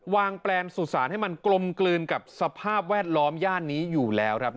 แปลนสู่สารให้มันกลมกลืนกับสภาพแวดล้อมย่านนี้อยู่แล้วครับ